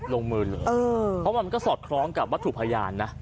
ลงมือเลยเพราะมันก็สอดคล้องกับวัตถุพยานนะ